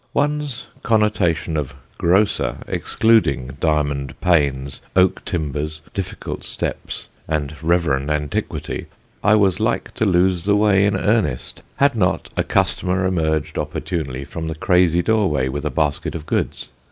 One's connotation of "grocer" excluding diamond panes, oak timbers, difficult steps, and reverend antiquity, I was like to lose the way in earnest, had not a customer emerged opportunely from the crazy doorway with a basket of goods.